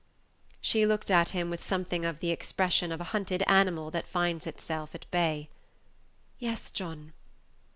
She looked at him with something of the expression of a hunted animal that finds itself at bay. "Yes, John."